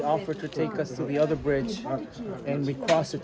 seseorang mencobanya untuk membawa kami ke jembatan lain